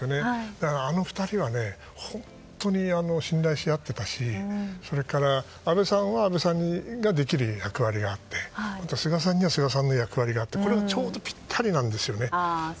ただ、あの２人は本当に信頼し合ってたしそれから、安倍さんには安倍さんができる役割があって菅さんには菅さんの役割があってこれがちょうどぴったりなんですよね。